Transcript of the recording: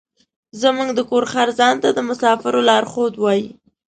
زموږ د کور خر ځان ته د مسافرو لارښود وايي.